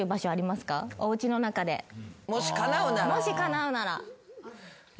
もしかなうなら。